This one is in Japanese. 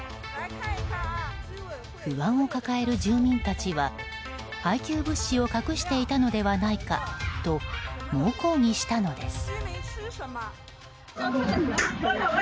不安を抱える住民たちは配給物資を隠していたのではないかと猛抗議したのです。